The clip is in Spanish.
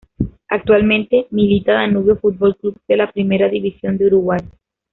Actualmente milita Danubio Fútbol Club de la Primera División de Uruguay.